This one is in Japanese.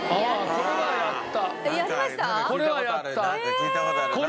これはやった。